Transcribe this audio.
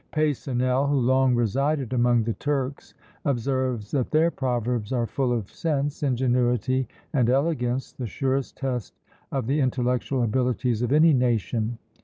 Peyssonel, who long resided among the Turks, observes that their proverbs are full of sense, ingenuity, and elegance, the surest test of the intellectual abilities of any nation.